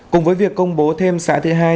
cùng với việc công bố thêm xã thứ hai